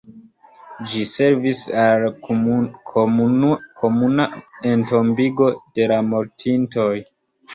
Ĝi servis al komuna entombigo de la mortintoj.